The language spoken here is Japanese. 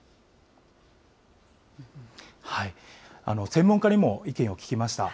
専門家にも意見を聞きました。